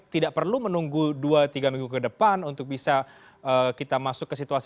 tidak perlu menunggu dua tiga minggu ke depan untuk bisa kita masuk ke situasi